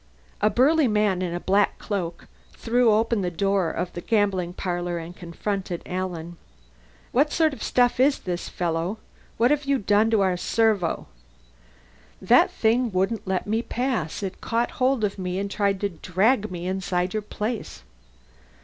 A burly man in a black cloak threw open the door of the gambling parlor and confronted Alan. "What sort of stuff is this, fellow? What have you done to our servo?" "That thing wouldn't let me pass. It caught hold of me and tried to drag me inside your place."